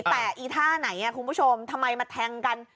แต่อีท่าไหนคุณผู้ชมทำไมมาแทงกัน